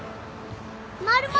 マルモ！